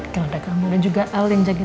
dengan anak kamu dan juga al yang jaga mama